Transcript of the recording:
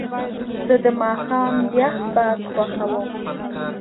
زه د ماښام یخ باد خوښوم.